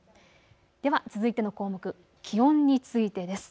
では続いての項目、気温についてです。